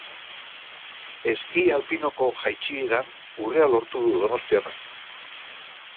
Eski alpinoko jaitsieran urrea lortu du donostiarrak.